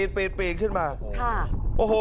ขอพูดกันก่อน